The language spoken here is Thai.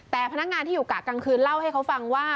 แต่พนักงานที่อยู่กะกลางคืนเล่าให้เขาฟังว่า